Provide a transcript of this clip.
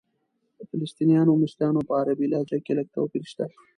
د فلسطنیانو او مصریانو په عربي لهجه کې لږ توپیر شته.